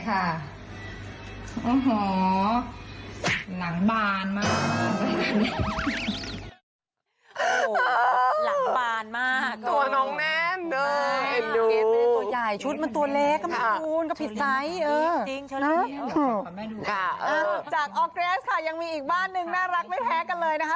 จากออร์เกรสค่ะยังมีอีกบ้านหนึ่งน่ารักไม่แพ้กันเลยนะคะ